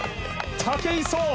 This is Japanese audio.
武井壮